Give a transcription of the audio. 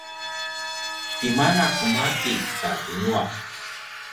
tima na qemati ta dingwa?